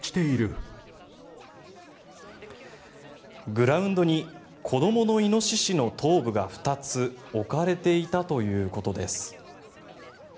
グラウンドに子どものイノシシの頭部が２つ置かれていたということです。